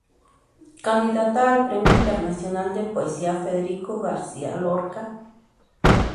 Candidata al Premio Internacional de Poesía Federico García Lorca.